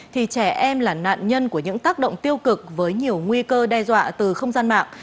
thì trẻ em là nạn nhân của những tác động tiêu cực với nhiều nguy cơ đe dọa từ không gian mạng